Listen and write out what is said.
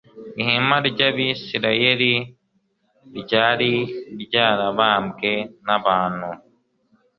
Ihema ry'Abisiraeli ryari ryarabambwe n'abantu,